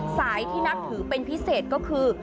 สายที่นับถือเป็นพิเศษก็คือ